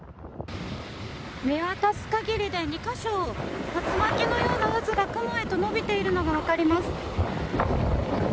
見渡す限りで２か所竜巻のような渦が雲へと延びているのが分かります。